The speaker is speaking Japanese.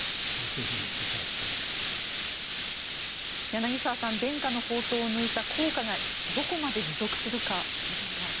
柳澤さん伝家の宝刀を抜いた効果がどこまで持続するかですか。